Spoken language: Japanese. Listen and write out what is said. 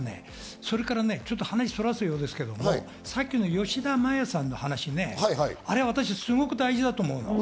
それから話をそらすようですけれど、吉田麻也さんの話、私はすごく大事だと思うの。